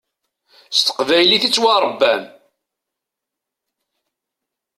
S teqbaylit i ttwaṛebban.